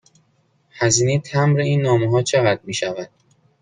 هزینه مبر این نامه ها چقدر می شود؟